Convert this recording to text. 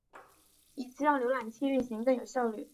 以期让浏览器运行更有效率。